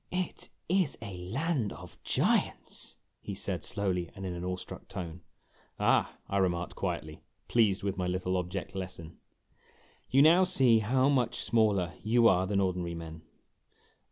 "It is a land of giants !" he said, slowly and in an awe struck tone. "Ah!" I remarked quietly, pleased with my little object lesson, "you now see how much smaller you are than ordinary men."